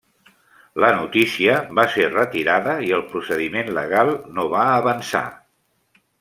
La notícia va ser retirada i el procediment legal no va avançar.